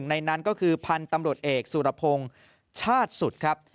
ในนั้นก็คือพันธุ์ตำรวจเอกสุรพงศ์ชาติสุดครับ